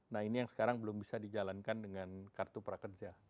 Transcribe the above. nah ini yang sekarang belum bisa dijalankan dengan kartu prakerja